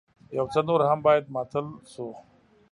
يو څه نور هم بايد ماتل شو.